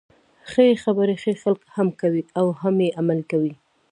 ښې خبري ښه خلک هم کوي او هم يې عملي کوي.